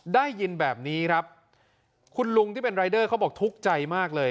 ได้ยินแบบนี้ครับคุณลุงที่เป็นรายเดอร์เขาบอกทุกข์ใจมากเลย